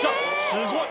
すごい。